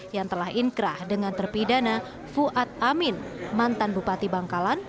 yang telah inkrah dengan terpidana fuad amin mantan bupati bangkalan